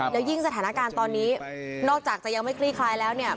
แล้วยิ่งสถานการณ์ตอนนี้นอกจากจะยังไม่คลี่คลายแล้วเนี่ย